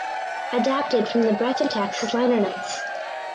Adapted from the "Breath and Taxes" liner notes.